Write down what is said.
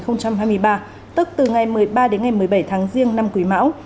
năm hai nghìn hai mươi ba tức từ ngày một mươi ba đến ngày một mươi bảy tháng riêng năm quý mão